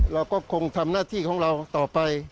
เราก็คงทำหน้าที่ของเราต่อไป